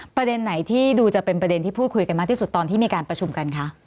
ประเด็นไหนที่ดูจะเป็นประเด็นที่พูดคุยกันมากที่สุดตอนที่มีการประชุมกันคะ